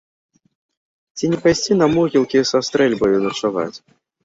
Ці не пайсці на могілкі са стрэльбаю начаваць?